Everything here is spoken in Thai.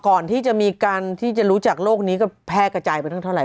ก่อนที่จะมีการที่จะรู้จักโลกนี้ก็แพร่กระจายไปตั้งเท่าไห